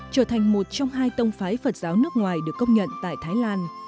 trở thành một trong hai tông phái phật giáo nước ngoài được công nhận tại thái lan